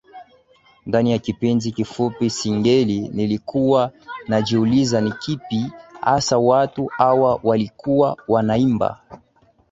ndani ya kipindi kifupi singeli Nilikuwa najiuliza ni kipi hasa watu hawa walikuwa wanaimba